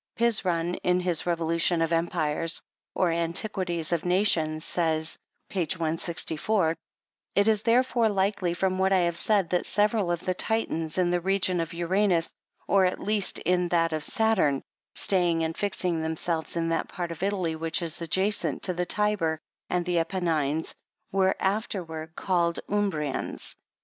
Pizron, in his Revolution of Empires, or Antiquities of Nations, says, (page 164,) " It is therefore like ly from what I have said, that several of the Titans, in the reign of Ura nus, or, at least, in that of Saturn, staying and fixing themselves in that part of Ttaly which is adjacent to the Tiber and the Appenines, were after ward called Um.brians.